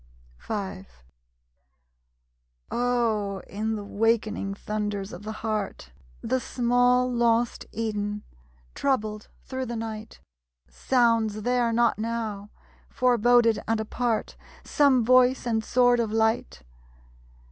V Oh, in the wakening thunders of the heart, The small lost Eden, troubled through the night, Sounds there not now, forboded and apart, Some voice and sword of light?